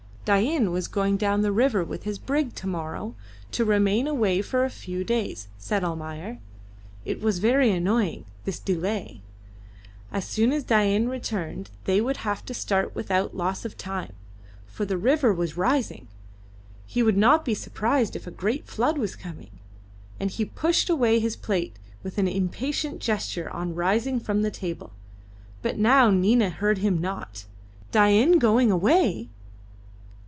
Dain was going down the river with his brig to morrow to remain away for a few days, said Almayer. It was very annoying, this delay. As soon as Dain returned they would have to start without loss of time, for the river was rising. He would not be surprised if a great flood was coming. And he pushed away his plate with an impatient gesture on rising from the table. But now Nina heard him not. Dain going away!